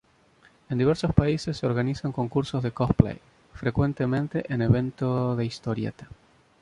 En diversos países se organizan concursos de cosplay, frecuentemente en evento de historieta.